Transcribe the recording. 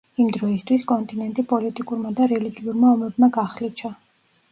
იმ დროისთვის, კონტინენტი პოლიტიკურმა და რელიგიურმა ომებმა გახლიჩა.